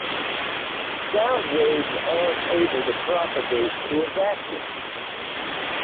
Sound waves aren't able to propagate through a vacuum.